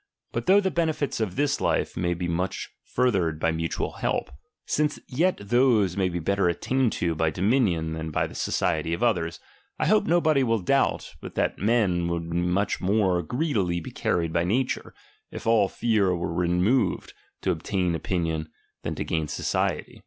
But thougb the benefits of this life may be much furthered by mutual help ; since yet those may be better attained to by domi nion than by the society of others, I hope no hody will doubt, but that men would much more greedily be carried by nature, if all fear were re moved, to obtain dominion, than to gain society. I I 6 LIBERTY.